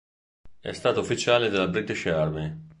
È stato ufficiale della British Army.